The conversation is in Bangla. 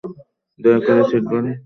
দয়া করে সিটবেল্ট বেঁধে নিন।